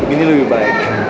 ini lebih baik